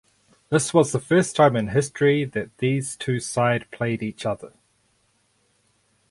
This was the first time in history that these two side played each other.